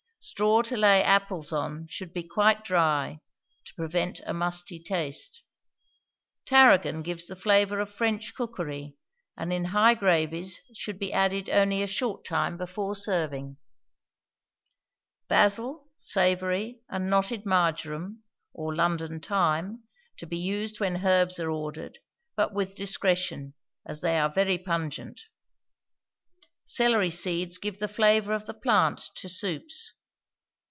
Straw to lay apples on should be quite dry, to prevent a musty taste. Tarragon gives the flavor of French cookery, and in high gravies should be added only a short time before serving. Basil, savory, and knotted marjoram, or London thyme, to be used when herbs are ordered; but with discretion, as they are very pungent. Celery seeds give the flavor of the plant to soups.